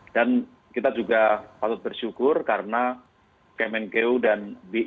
dan kita juga patut bersyukur karena kmnku dan bnku